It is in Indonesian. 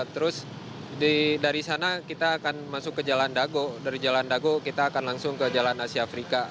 terus dari sana kita akan masuk ke jalan dago dari jalan dago kita akan langsung ke jalan asia afrika